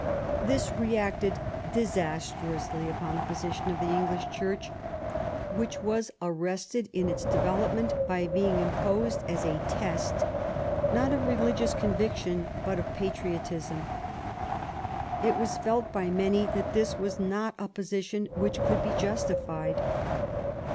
This reacted disastrously upon the position of the English Church, which was arrested in its develop ment by being imposed as a test, not of religious conviction, but of patriotism. It was felt by many that this was not a position which could be justified.